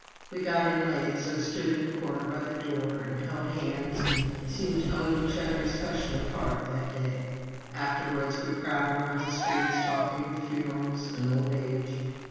We got in late, so stood in a corner by the door, and held hands, and seemed to own each other especially hard that day. Afterwards we prowled around the streets, talking of funerals and old age.